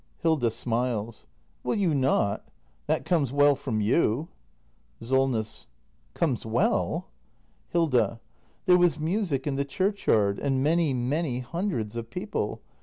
Hilda. [Smiles.] Will you not ? That comes well from you. Solness. Comes well ? Hilda. There was music in the churchyard — and many, many hundreds of people.